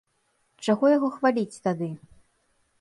Чаго яго хваліць тады?